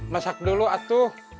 masak dulu atuh